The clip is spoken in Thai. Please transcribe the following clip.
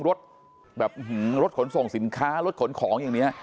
รถแบบรถขนส่งสินค้ารถขนของอย่างนี้